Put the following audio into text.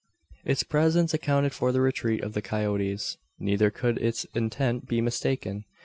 Its presence accounted for the retreat of the coyotes. Neither could its intent be mistaken.